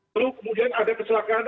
lalu kemudian ada kesalahan